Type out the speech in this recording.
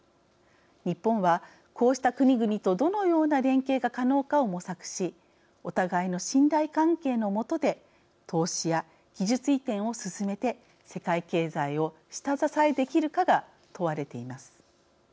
日本は、こうした国々とどのような連携が可能かを模索しお互いの信頼関係のもとで投資や技術移転を進めて世界経済を下支えできるかが問われています。